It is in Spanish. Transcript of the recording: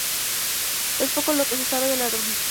Es poco lo que se sabe de la autora.